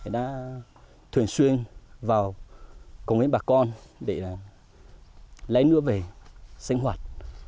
là thuyền xuyên vào cùng với bà con để là lấy nước về sinh hoạt